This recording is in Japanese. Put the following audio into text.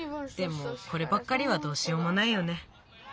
でもこればっかりはどうしようもないよね。